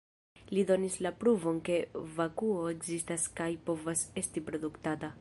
Li donis la pruvon ke vakuo ekzistas kaj povas esti produktata.